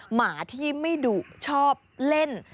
หมาที่ไม่ดุชอบเล่น